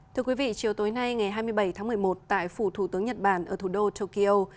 thưa quý vị chiều tối nay ngày hai mươi bảy tháng một mươi một tại phủ thủ tướng nhật bản ở thủ đô tokyo